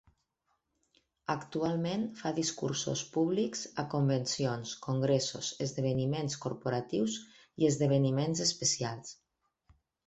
Actualment, fa discursos públics a convencions, congressos, esdeveniments corporatius i esdeveniments especials.